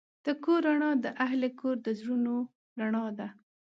د کور رڼا د اهلِ کور د زړونو رڼا ده.